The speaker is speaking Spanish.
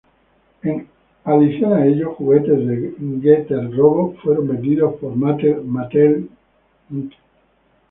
En adición a ello, juguetes de "Getter Robo" fueron vendidos por Mattel Inc.